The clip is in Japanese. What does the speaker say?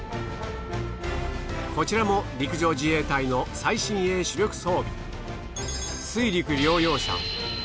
こちらも陸上自衛隊の最新鋭主力装備。